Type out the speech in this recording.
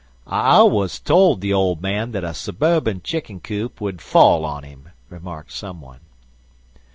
"I always told the old man that a suburban chicken coop would fall on him," remarked some one.